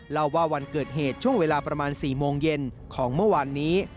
เล่าว่าวันเกิดเหตุช่วงเวลาประมาณ๔โมงเย็นของเมื่อวานนี้